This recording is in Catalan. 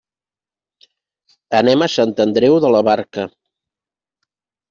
Anem a Sant Andreu de la Barca.